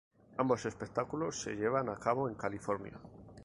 Ambos espectáculos se llevan a cabo en California.